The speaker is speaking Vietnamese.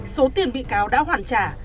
số tiền bị cáo đã hoàn trả